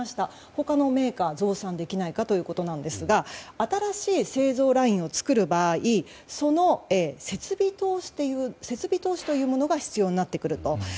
他のメーカー増産できないかということですが新しい製造ラインを作る場合その設備投資というものが必要になってくると。